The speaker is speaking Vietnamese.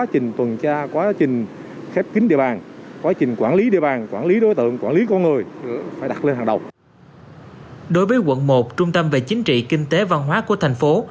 trong thời gian này quận một đã được đưa về trung tâm về chính trị kinh tế văn hóa của thành phố